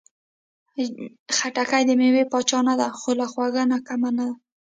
خټکی د مېوې پاچا نه ده، خو له خوږو نه ده کمه.